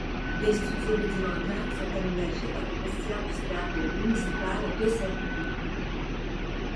Des studios rudimentaires sont aménagés dans les vestiaires du stade municipal de Cercoux.